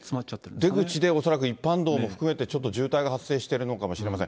出口で恐らく一般道も含めてちょっと渋滞が発生してるのかもしれません。